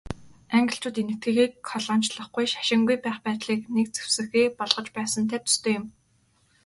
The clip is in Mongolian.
Англичууд Энэтхэгийг колоничлохгүй, шашингүй байх байдлыг нэг зэвсгээ болгож байсантай төстэй юм.